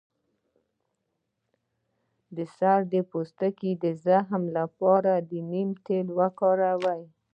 د سر د پوستکي د زخم لپاره د نیم تېل وکاروئ